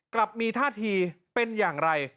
กลับมีท่าทีเป็นอย่างไร